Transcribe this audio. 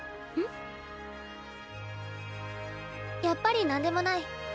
やっぱり何でもない。